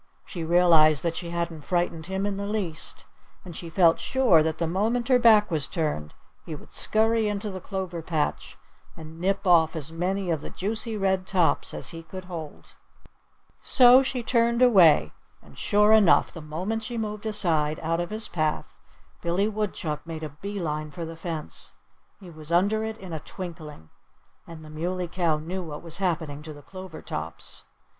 She realized that she hadn't frightened him in the least. And she felt sure that the moment her back was turned he would scurry into the clover patch and nip off as many of the juicy red tops as he could hold. [Illustration: The Muley Cow Tries to Stop Billy Woodchuck. (Page 80)] So she turned away. And sure enough! The moment she moved aside, out of his path, Billy Woodchuck made a bee line for the fence. He was under it in a twinkling. And the Muley Cow knew what was happening to the clover tops.